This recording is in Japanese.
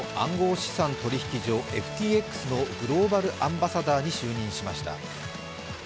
資産取引所ＦＴＸのグローバル・アンバサダーに就任しました。